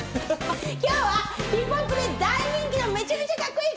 今日はヒップホップで大人気のめちゃめちゃカッコいい